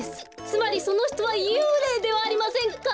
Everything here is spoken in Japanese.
つまりそのひとはゆうれいではありませんか？